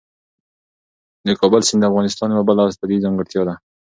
د کابل سیند د افغانستان یوه بله طبیعي ځانګړتیا ده.